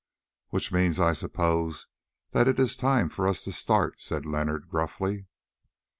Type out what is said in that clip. "Which means, I suppose, that it is time for us to start," said Leonard gruffly.